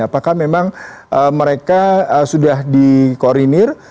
apakah memang mereka sudah dikoordinir